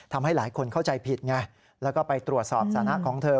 ทำให้หลายคนเข้าใจผิดไงแล้วก็ไปตรวจสอบสถานะของเธอ